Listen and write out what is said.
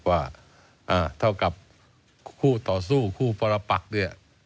ว่าเท่ากับคู่ต่อสู้คู่ปรปักเนี่ย